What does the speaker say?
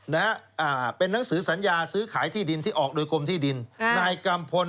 นะฮะอ่าเป็นหนังสือสัญญาซื้อขายที่ดินที่ออกโดยกรมที่ดินอ่านายกัมพล